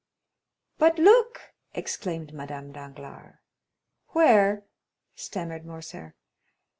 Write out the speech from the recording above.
"But look!" exclaimed Madame Danglars. "Where?" stammered Morcerf.